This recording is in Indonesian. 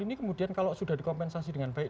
ini kemudian kalau sudah dikompensasi dengan baik